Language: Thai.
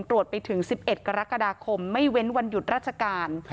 ตรวจไปถึง๑๑กรกฎาคมไม่เว้นวันหยุดราชการ